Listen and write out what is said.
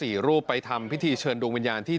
นิมนภระ๔รูปไปทำพิธีเชิญดวงวิญญาณที